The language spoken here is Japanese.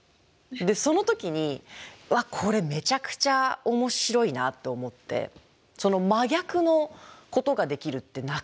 でその時に「わっこれめちゃくちゃ面白いな」と思ってその真逆のことができるってなかなかないじゃないですか。